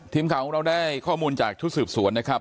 ทีมข่าวของเราได้ข้อมูลจากชุดสืบสวนนะครับ